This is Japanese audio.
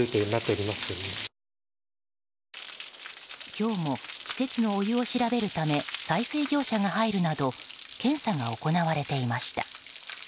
今日も施設のお湯を調べるため採水業者が入るなど検査が行われていました。